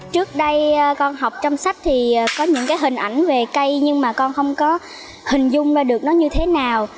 trước đây con học trong sách thì có những cái hình ảnh về cây nhưng mà con không có hình dung ra được nó như thế nào